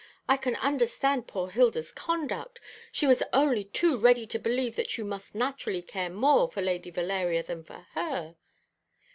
I can understand poor Hilda's conduct. She was only too ready to believe that you must naturally care more for Lady Valeria than for her."